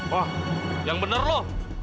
wah yang bener lo